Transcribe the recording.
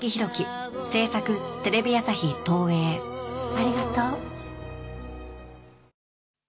ありがとう。